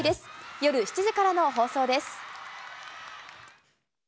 夜７時からの放送です。